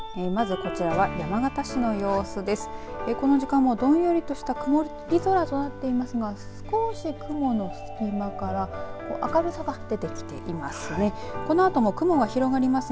この時間もどんよりとした曇り空となっていますが少し雲の隙間から明るさが出てきていますね。